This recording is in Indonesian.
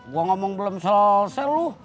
gua ngomong belum sel sel lu